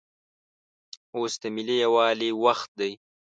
اوس دملي یووالي وخت دی